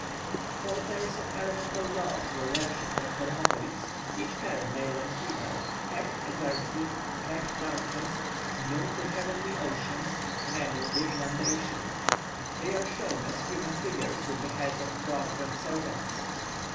Four pairs of elemental gods were worshipped at Hermopolis, each pair male and female; Heh, Eternity; Kek, Darkness; Nu, the heavenly ocean; Nenu, the Inundation. They are shown as human figures with the heads of frogs and serpents.